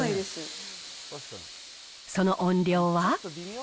その音量は。